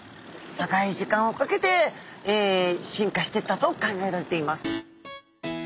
長い時間をかけて進化していったと考えられています。